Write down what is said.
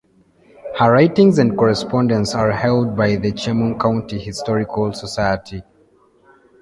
Her writings and correspondence are held by the Chemung County Historical Society.